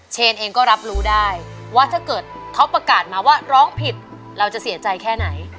เชนเองก็รับรู้ได้ว่าถ้าเกิดเขาประกาศมาว่าร้องผิดเราจะเสียใจแค่ไหน